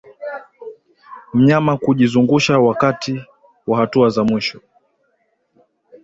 Mnyama kujizungusha wakati wa hatua za mwisho